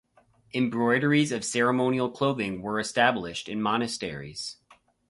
Embroideries of ceremonial clothing were established In monasteries.